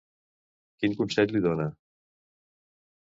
Quin consell li dona.